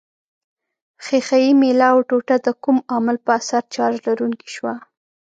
ښيښه یي میله او ټوټه د کوم عامل په اثر چارج لرونکې شوه؟